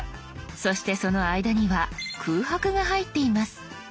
そしてその間には空白が入っています。